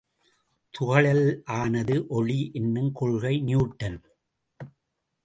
துகள்களாலனது ஒளி என்னுங் கொள்கை நியூட்டன்.